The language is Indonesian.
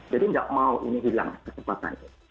jadi enggak mau ini hilang kesempatannya